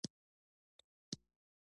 په افغانستان کې اوس خلک ژوند کول زده کوي